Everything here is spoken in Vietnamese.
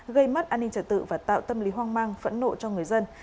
gây mất an ninh trật tự và tạo tâm lý hoang mang phẫn nộ cho người dân